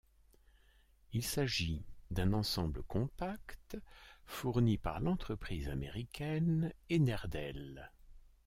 Il s'agit d'un ensemble compact fourni par l'entreprise américaine EnerDel.